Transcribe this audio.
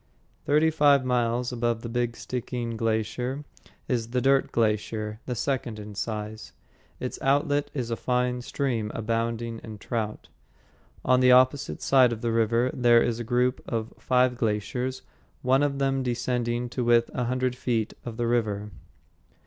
Thirty five miles above the Big Stickeen Glacier is the "Dirt Glacier," the second in size. Its outlet is a fine stream, abounding in trout. On the opposite side of the river there is a group of five glaciers, one of them descending to within a hundred feet of the river.